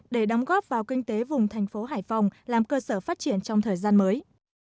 để đóng góp vào kinh tế vùng thành phố hải phòng làm cơ sở phát triển trong thời gian mới